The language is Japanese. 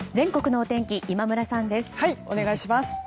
お願いします。